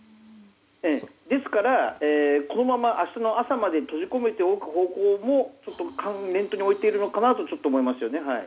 ですから、このまま明日の朝まで閉じ込めておく方法も念頭に置いているのかなとちょっと思いますね。